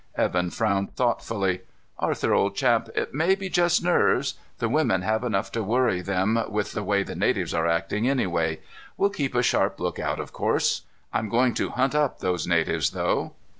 Evan frowned thoughtfully. "Arthur, old chap, it may be just nerves. The women have enough to worry them with the way the natives are acting, anyway. We'll keep a sharp lookout, of course. I'm going to hunt up those natives, though."